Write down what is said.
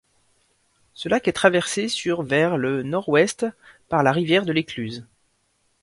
Ce lac est traversé sur vers le Nord-Ouest par la rivière de l'Écluse.